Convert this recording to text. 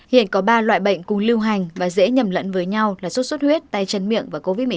hiện có ba loại bệnh cùng lưu hành và dễ nhầm lẫn với nhau là sốt xuất huyết tay chân miệng và covid một mươi chín